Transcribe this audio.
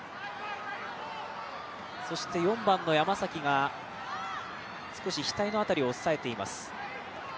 そして４番の山崎が少し額の辺りを押さえています。